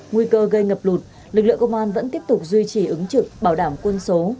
nguy cơ gây ngập lụt lực lượng công an vẫn tiếp tục duy trì ứng trực bảo đảm quân số